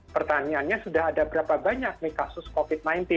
pertanyaannya sudah ada berapa banyak kasus covid sembilan belas